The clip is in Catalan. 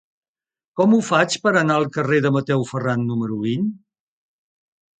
Com ho faig per anar al carrer de Mateu Ferran número vint?